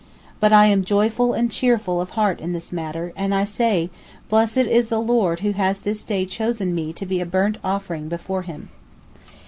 But I am joyful and cheerful of heart in this matter, and I say, Blessed is the Lord who has this day chosen me to be a burnt offering before Him."